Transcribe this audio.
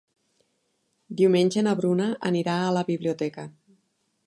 Diumenge na Bruna anirà a la biblioteca.